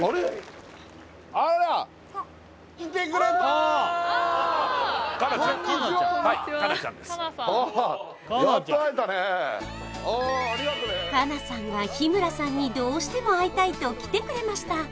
あら佳奈さんが日村さんにどうしても会いたいと来てくれました